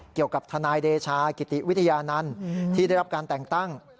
เกี่ยวกับทนายเดชากิติวิทยานันต์ที่ได้รับการแต่งตั้ง